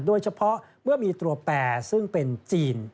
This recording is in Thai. โดยเฉพาะเมื่อมีตัวแปรซึ่งเป็นจีน